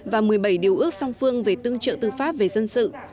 và một mươi bảy điều ước song phương về tương trợ tư pháp về dân sự